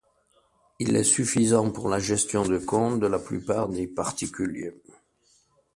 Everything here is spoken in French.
Il est suffisant pour la gestion de compte de la plupart des particuliers.